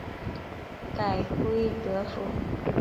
改归德府。